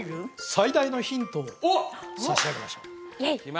最大のヒントを差し上げましょうイエイ